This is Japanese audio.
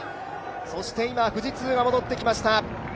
今、富士通が戻ってきました。